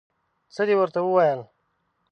څه دې ورته وویل؟